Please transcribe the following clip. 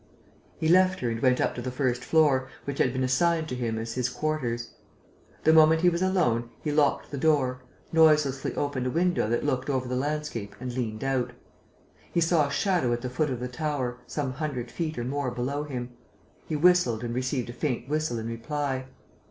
He left her and went up to the first floor, which had been assigned to him as his quarters. The moment he was alone, he locked the door, noiselessly opened a window that looked over the landscape and leant out. He saw a shadow at the foot of the tower, some hundred feet or more below him. He whistled and received a faint whistle in reply.